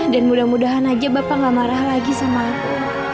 dan mudah mudahan aja bapak gak marah lagi sama aku